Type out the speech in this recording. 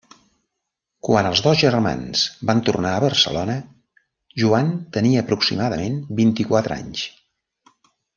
Quan els dos germans van tornar a Barcelona, Joan tenia aproximadament vint-i-quatre anys.